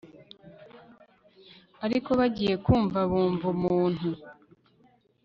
ariko bagiye kumva bumva umuntu